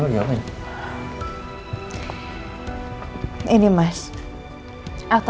ini bisa jadi bukti yang kuat kan